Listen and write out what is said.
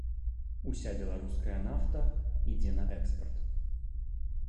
Уся беларуская нафта ідзе на экспарт.